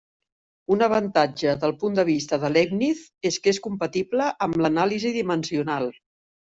Un avantatge del punt de vista de Leibniz és que és compatible amb l’anàlisi dimensional.